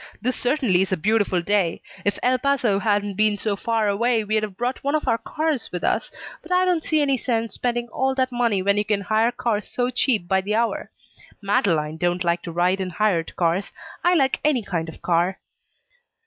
This certainly is a beautiful day. If El Paso hadn't been so far away we'd have brought one of our cars with us, but I don't see any sense spending all that money when you can hire cars so cheap by the hour. Madeleine don't like to ride in hired cars. I like any kind of car."